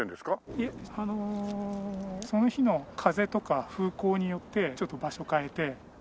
いえあのその日の風とか風向によってちょっと場所変えて。